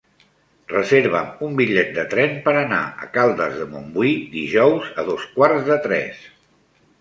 Reserva'm un bitllet de tren per anar a Caldes de Montbui dijous a dos quarts de tres.